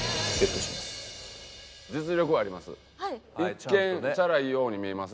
実力はあります。